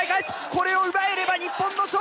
これを奪えれば日本の勝利！